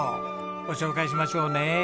ご紹介しましょうね。